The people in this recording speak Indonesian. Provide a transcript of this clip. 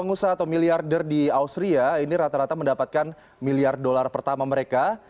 pengusaha atau miliarder di austria ini rata rata mendapatkan miliar dolar pertama mereka